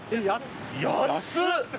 ⁉安っ！